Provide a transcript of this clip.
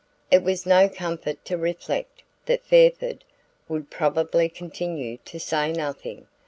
It was no comfort to reflect that Fairford would probably continue to say nothing!